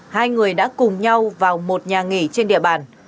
hai người đã cùng nhau vào một nhà nghỉ trên địa bàn